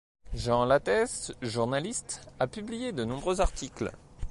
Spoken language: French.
Jean Lattès, journaliste a publié de nombreux articles.